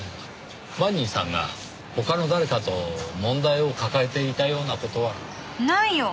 マニーさんが他の誰かと問題を抱えていたような事は？ないよ！